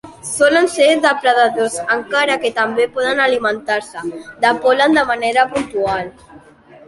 Solen ser depredadors, encara que també poden alimentar-se de pol·len de manera puntual.